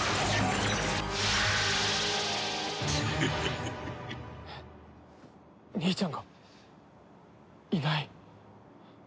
えっ兄ちゃんがいない。